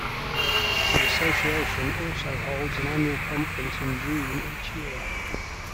The association also holds an annual conference in June each year.